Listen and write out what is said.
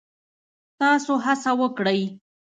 تاسو هڅه وکړئ